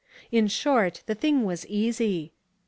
In short, the thing was easy.